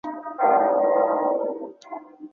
首府帕马。